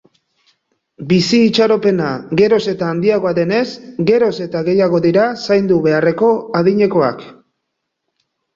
Bizi-itxaropena geroz eta handiagoa denez, geroz eta gehiago dira zaindu beharreko adinekoak.